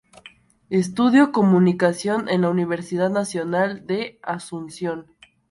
Estudió Comunicación en la Universidad Nacional de Asunción.